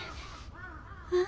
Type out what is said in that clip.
あっ。